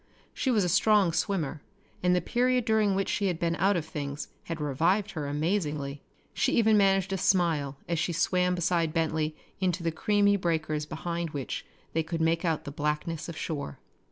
She was a strong swimmer and the period during which she had been out of things had revived her amazingly. She even managed a smile as she swam beside Bentley into the creamy breakers behind which they could make out the blackness of shore.